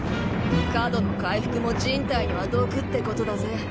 過度の回復も人体には毒ってことだぜ。